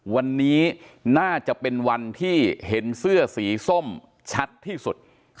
วันนี้น่าจะเป็นวันที่เห็นเสื้อสีส้มชัดที่สุด